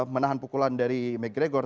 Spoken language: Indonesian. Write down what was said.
menahan pukulan dari mcgregor